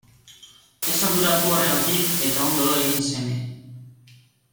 Ez arduratu horregatik eta ondo lo egin seme.